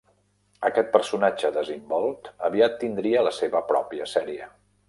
Aquest personatge desimbolt aviat tindria la seva pròpia sèrie.